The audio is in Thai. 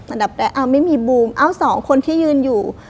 อันดับแรกไม่มีบูมเอ้า๒คนที่ยืนอยู่